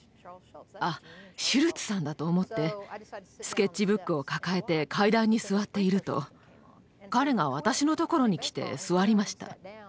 「あっシュルツさんだ」と思ってスケッチブックを抱えて階段に座っていると彼が私のところに来て座りました。